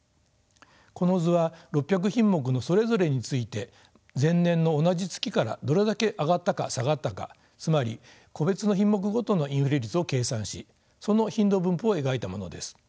この図は６００品目のそれぞれについて前年の同じ月からどれだけ上がったか下がったかつまり個別の品目ごとのインフレ率を計算しその頻度分布を描いたものです。